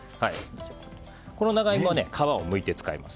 この長イモは皮をむいて使います。